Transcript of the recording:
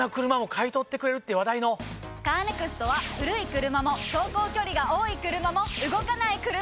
カーネクストは古い車も走行距離が多い車も動かない車でも。